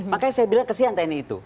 makanya saya bilang kesian tni itu